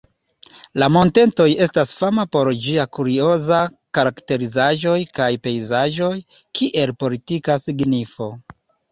La monteto estas fama por ĝia kurioza karakterizaĵoj kaj pejzaĝoj, kiel politika signifo.